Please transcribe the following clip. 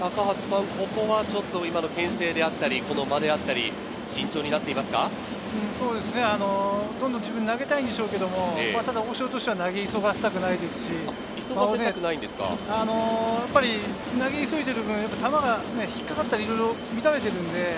ただ、ここは今のけん制であったり、この間であったり慎重になっどんどん自分で投げたいんでしょうけれど、大城としては投げ急がせたくないですし、投げ急いでる部分、球が引っかかったり、いろいろ乱れているので。